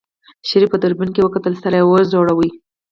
شريف په دوربين کې وکتل سر يې وڅنډه.